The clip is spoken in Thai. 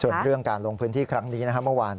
ส่วนเรื่องการลงพื้นที่ครั้งนี้นะครับเมื่อวาน